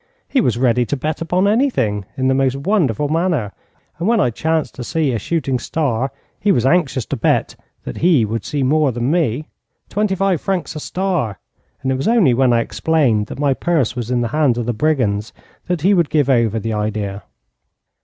He was ready to bet upon anything in the most wonderful manner, and when I chanced to see a shooting star he was anxious to bet that he would see more than me, twenty five francs a star, and it was only when I explained that my purse was in the hands of the brigands that he would give over the idea.